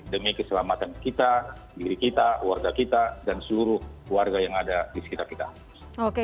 demi keselamatan kita diri kita keluarga kita dan seluruh keluarga yang ada di sekitar